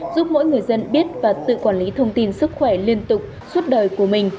giúp mỗi người dân biết và tự quản lý thông tin sức khỏe liên tục suốt đời của mình